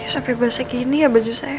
sampai bahasa gini ya baju saya